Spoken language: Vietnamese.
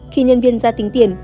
khi nhân viên ra tính tiền